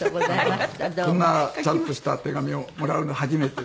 こんなちゃんとした手紙をもらうの初めてで。